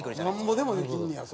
なんぼでもできんねやそれ。